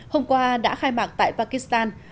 hôm qua đã khai mạng tại pakistan